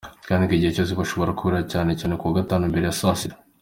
Kandi ngo igihe cyose bashobora kubakira, cyane cyane kuwa gatanu mbere ya saa sita.